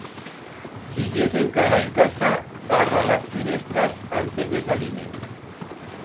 Si yes encara en casa, zarra las finestras antes de salir-ne.